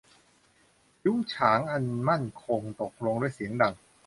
ยุ้งฉางอันมั่นคงตกลงด้วยเสียงดัง